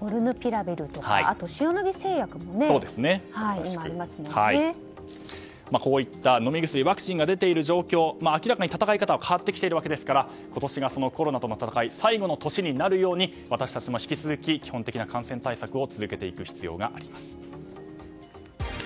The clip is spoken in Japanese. モルヌピラビルとかあと、塩野義製薬もこういった飲み薬ワクチンが出ている状況明らかに闘い方は変わってきているわけですから今年は、コロナとの闘い最後の年になるように私たちも引き続き基本的な感染対策を続けていく必要があります。